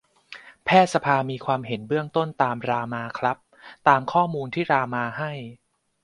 แพทยสภามีความเห็นเบื้องต้น ตามรามาครับ ตามข้อมูลที่รามาให้